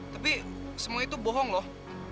tapi semua itu bohong loh